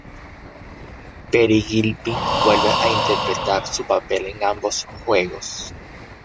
Peri Gilpin vuelve a interpretar su papel en ambos juegos.